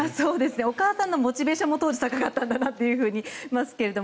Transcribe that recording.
お母さんのモチベーションも当時高かったんだなと思いますが。